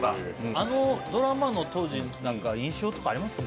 あのドラマの当時何か印象とかありますか？